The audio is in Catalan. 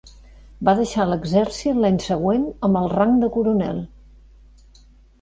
Va deixar l'exèrcit l'any següent amb el rang de coronel.